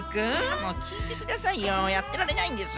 もうきいてくださいよやってられないんです。